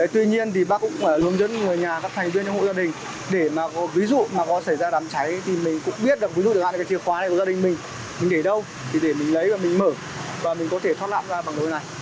tuy nhiên thì bác cũng hướng dẫn người nhà các thành viên trong hội gia đình để mà có ví dụ mà có xảy ra đám cháy thì mình cũng biết là ví dụ để lại cái chìa khóa này của gia đình mình để đâu thì để mình lấy và mình mở và mình có thể thoát nạn ra bằng lối này